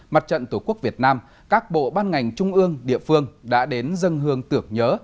mặt trận tổ quốc việt nam các bộ ban ngành trung ương địa phương đã đến dân hương tưởng nhớ